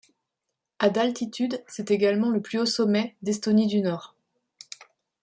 À d'altitude, c'est également le plus haut sommet d'Estonie du Nord.